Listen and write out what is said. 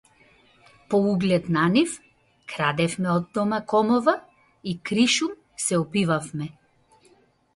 По углед на нив крадевме од дома комова и кришум се опивавме.